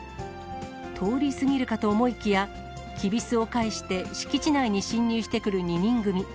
通り過ぎるかと思いきや、きびすを返して敷地内に侵入してくる２人組。